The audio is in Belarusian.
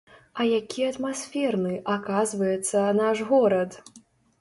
А які атмасферны, аказваецца, наш горад!